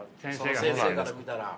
その先生から見たら。